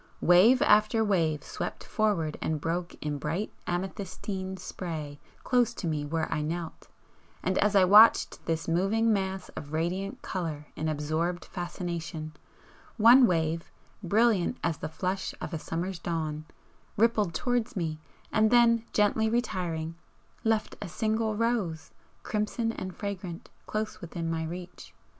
Wave after wave swept forward and broke in bright amethystine spray close to me where I knelt, and as I watched this moving mass of radiant colour in absorbed fascination, one wave, brilliant as the flush of a summer's dawn, rippled towards me, and then gently retiring, left a single rose, crimson and fragrant, close within my reach.